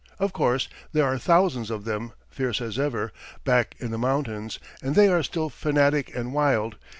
Of course, there are thousands of them, fierce as ever, back in the mountains, and they are still fanatic and wild.